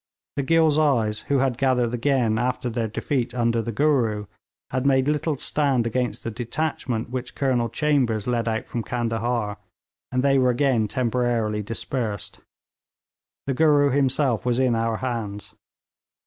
The Ghilzais, who had gathered again after their defeat under the 'Gooroo,' had made little stand against the detachment which Colonel Chambers led out from Candahar, and they were again temporarily dispersed. The 'Gooroo' himself was in our hands.